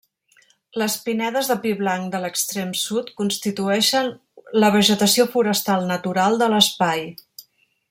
Les pinedes de pi blanc de l’extrem sud constitueixen la vegetació forestal natural de l’espai.